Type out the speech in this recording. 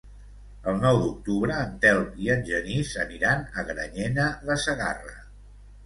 El nou d'octubre en Telm i en Genís aniran a Granyena de Segarra.